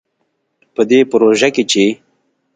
په دې پروژه کې چې